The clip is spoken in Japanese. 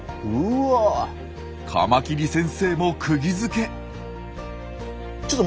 カマキリ先生もくぎづけ。